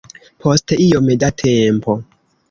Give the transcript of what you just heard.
Post iom da tempo.